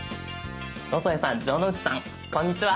野添さん城之内さんこんにちは！